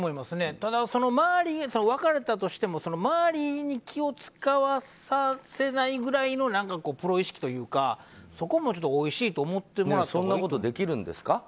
ただ、別れたとしても周りに気を使わさせないくらいのプロ意識というかそこもおいしいとそんなことできるんですか？